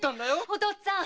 お父っつぁん。